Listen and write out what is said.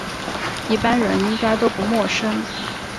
一般人应该都不陌生